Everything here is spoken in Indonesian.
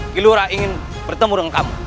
kilora ingin bertemu dengan kamu